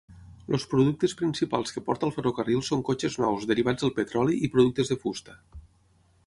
Els productes principals que porta el ferrocarril són cotxes nous, derivats del petroli i productes de fusta.